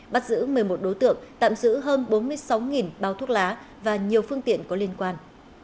bắt giữ một mươi một đối tượng tạm giữ hơn bốn mươi sáu bao thuốc lá và nhiều phương tiện có liên quan